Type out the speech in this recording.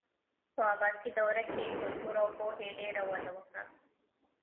په عباسي دوره کې کلتور او پوهې ډېره وده وکړه.